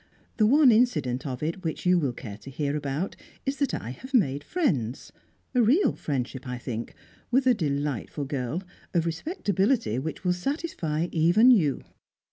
The one incident of it which you will care to hear about is that I have made friends a real friendship, I think with a delightful girl, of respectability which will satisfy even you.